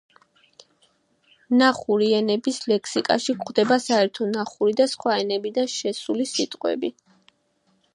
ნახური ენების ლექსიკაში გვხვდება საერთო ნახური და სხვა ენებიდან შესული სიტყვები.